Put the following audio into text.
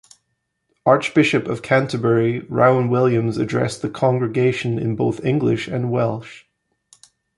Archbishop of Canterbury Rowan Williams addressed the congregation in both English and Welsh.